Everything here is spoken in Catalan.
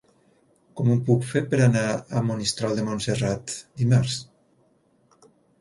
Com ho puc fer per anar a Monistrol de Montserrat dimarts?